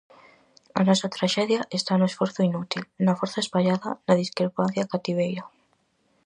A nosa traxedia está no esforzo inútil, na forza espallada, na discrepancia cativeira.